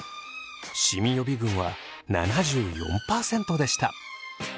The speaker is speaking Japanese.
シミ予備軍は７４％でした。